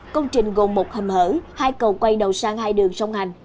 công trình gồm một hầm hở hai cầu quay đầu sang hai đường sông hành